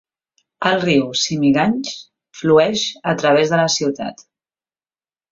El riu Simiganj flueix a través de la ciutat.